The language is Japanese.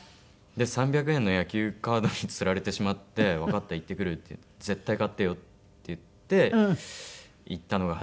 ３００円の野球カードに釣られてしまって「わかった行ってくる」って「絶対買ってよ」って言って行ったのが始まりでした。